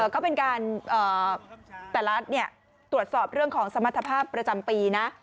ก็เป็นการแต่รัฐตรวจสอบเรื่องของสมรรถภาพประจำปีนะ